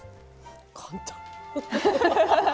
簡単！